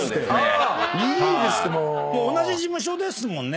同じ事務所ですもんね。